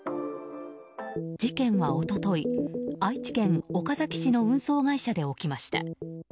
事件は一昨日、愛知県岡崎市の運送会社で起きました。